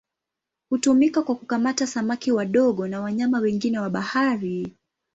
Hutumika kwa kukamata samaki wadogo na wanyama wengine wa bahari.